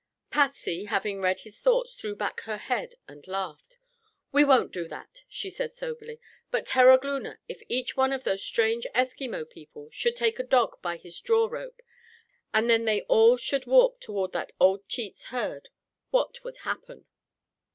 Patsy, having read his thoughts, threw back her head and laughed. "We won't do that," she said soberly, "but, Terogloona, if each one of those strange Eskimo people should take a dog by his draw rope, and then they all should walk toward that old cheat's herd, what would happen?"